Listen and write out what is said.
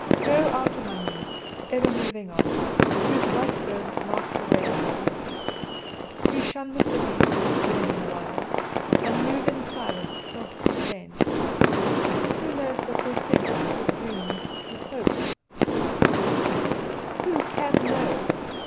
Go out among them, ever moving on, whose white bones mark the way for others' feet who shun the cities, living in the wilds, and move in silence, self contained. Who knows what they think, or dream, or hope, or suffer? Who can know?